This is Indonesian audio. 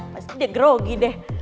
pasti dia grogi deh